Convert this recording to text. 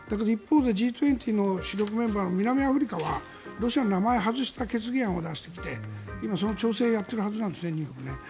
一方でＧ２０の主力メンバーの南アフリカはロシアの名前を外した決議案を出してきて今、その調整をやっているはずなんですね。